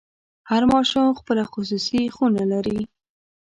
هر ماشوم خپله خصوصي خونه لري.